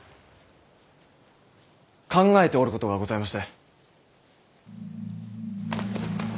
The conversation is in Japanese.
考えておることがございまして。